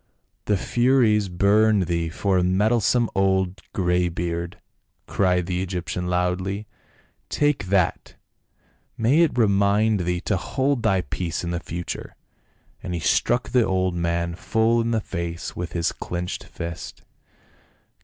" The furies burn thee for a meddlesome old grey beard !" cried the Egyptian loudly, " take that ! may it remind thee to hold thy peace in the future," and he struck the old man full in the face with his clenched fist.